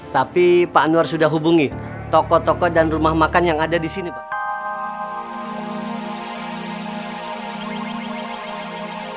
tapi pak anwar sudah hubungi toko toko dan rumah makan yang ada di sini pak